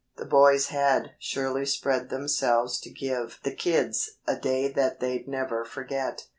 The boys had surely spread themselves to give "the kids" a day that they'd never forget.